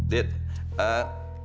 dit om mau tanya